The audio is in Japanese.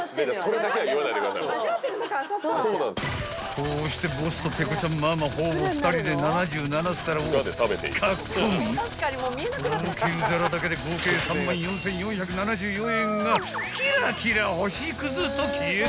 ［こうしてボスとペコちゃんママほぼ２人で７７皿をかっ込み高級皿だけで合計３万４，４７４円がキラキラ星くずと消えた］